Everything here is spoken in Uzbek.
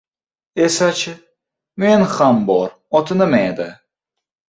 — Esa-chi. Men ham bor... oti nima edi?